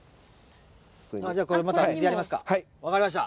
じゃあこれまた水やりますか。